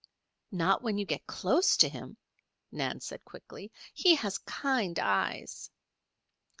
"Not when you get close to him," Nan said quickly. "He has kind eyes."